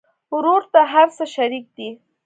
ورور ته هر څه شريک دي.